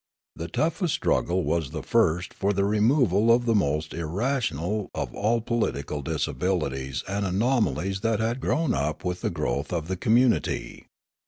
The toughest struggle was the first for the removal of the most irrational of all the political disabilities and anomalies that had grown up with the growth of the communitj'.